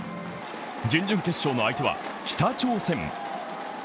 準々決勝の相手は北朝鮮。